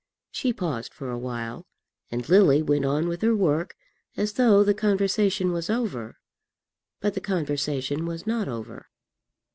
She paused for a while, and Lily went on with her work as though the conversation was over. But the conversation was not over.